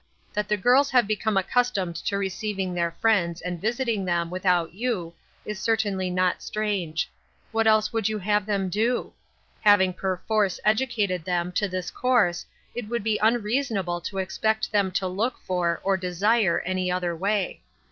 " That the girls have become accustomed to receiving their friends, and visiting them, without you, is certainly not strange ; what else would you have them do ? Having perforce educated them to this course it would be unreasonable to expect them to look for, or desire, any other way.